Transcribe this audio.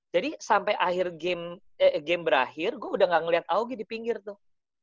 jadi sampai game berakhir gue udah gak ngelihat augie di pinggir tuh